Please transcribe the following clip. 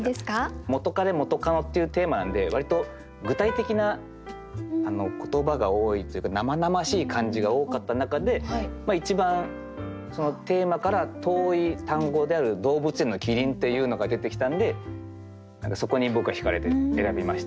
「元カレ・元カノ」っていうテーマなんで割と具体的な言葉が多いというか生々しい感じが多かった中で一番テーマから遠い単語である「動物園のキリン」っていうのが出てきたんでそこに僕はひかれて選びました。